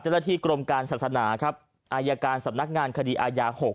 เจรฐิกรมการศักดิ์ศนาครับอายการศัพท์นักงานคดีอายา๖